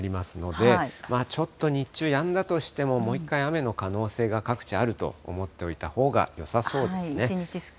ちょっと日中、やんだとしてももう一回、雨の可能性が各地、あると思っておいたほうがよさそうですね。